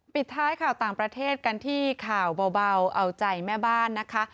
ปิดท้ายข่าวต่างประเทศกันที่ข่าวเบาเอาใจแม่บ้านนะคะ